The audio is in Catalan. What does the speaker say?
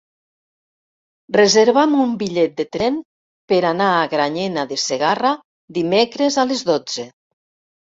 Reserva'm un bitllet de tren per anar a Granyena de Segarra dimecres a les dotze.